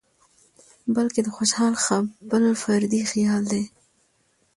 بلکې د خوشال خپل فردي خيال دى